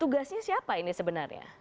tugasnya siapa ini sebenarnya